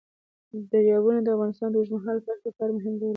دریابونه د افغانستان د اوږدمهاله پایښت لپاره مهم رول لري.